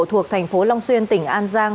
thuộc thành phố long xuyên tỉnh an giang